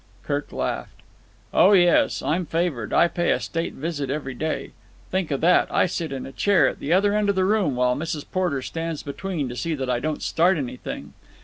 Kirk laughed. "Oh, yes. I'm favoured. I pay a state visit every day. Think of that! I sit in a chair at the other end of the room while Mrs. Porter stands between to see that I don't start anything.